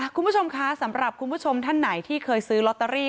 คุณผู้ชมคะสำหรับคุณผู้ชมท่านไหนที่เคยซื้อลอตเตอรี่